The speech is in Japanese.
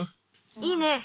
いいね！